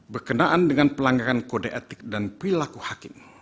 berkenaan dengan pelanggaran kode etik dan perilaku hakim